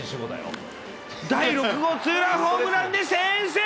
第６号ツーランホームランで先制。